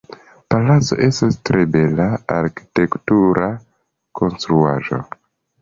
Palaco estas tre bela arkitektura konstruaĵo.